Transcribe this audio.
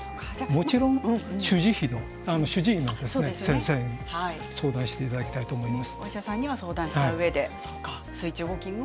もちろん、主治医の先生に相談していただきたいと思います。